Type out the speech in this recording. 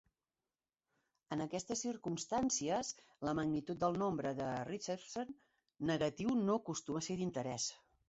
En aquestes circumstàncies, la magnitud del nombre de Richardson negatiu no acostuma a ser d'interès.